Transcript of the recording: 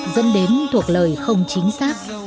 dẫn đến thuộc lời không chính xác